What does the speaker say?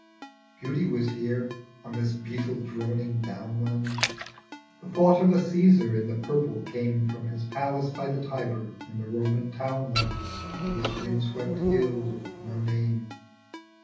Beauty was here, on this beetle droning downland ; The thought of a Cassar in the purple came From his palace by the Tiber in the Roman townland To this wind swept hill with no name.